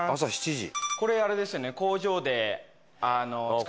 これあれですよね？